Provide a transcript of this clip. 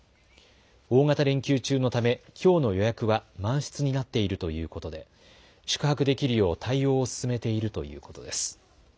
大型連休中のためきょうの予約は満室になっているということで宿泊できるよう対応を進めているということです。